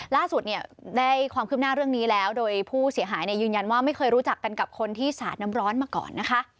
ล่าสุดเนี่ยได้ความคืบหน้าเรื่องนี้แล้วโดยผู้เสียหายยืนยันว่าไม่เคยรู้จักกันกับคนที่สาดน้ำร้อนมาก่อนนะคะ